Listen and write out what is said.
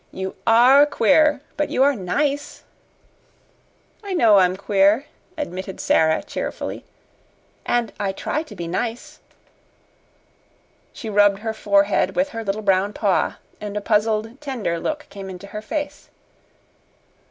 "You ARE queer but you are nice." "I know I am queer," admitted Sara, cheerfully; "and I TRY to be nice." She rubbed her forehead with her little brown paw, and a puzzled, tender look came into her face.